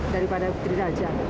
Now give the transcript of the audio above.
daripada putri raja